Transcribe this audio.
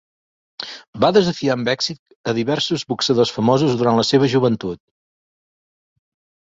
Va desafiar amb èxit a diversos boxadors famosos durant la seva joventut.